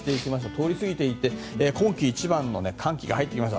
通り過ぎていって今季一番の寒気が入ってきました。